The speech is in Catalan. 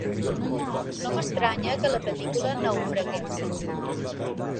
No m'estranya que la pel·lícula naufragués!